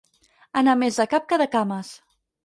Anar més de cap que de cames.